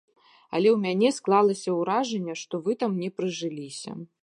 Але ў мяне склалася ўражанне, што вы там не прыжыліся.